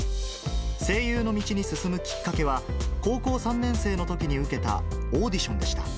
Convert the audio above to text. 声優の道に進むきっかけは、高校３年生のときに受けたオーディションでした。